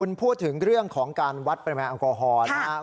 คุณพูดถึงเรื่องของการวัดปริมาณแอลกอฮอล์นะครับ